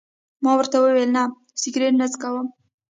ما ورته وویل: نه، سګرېټ نه څکوم.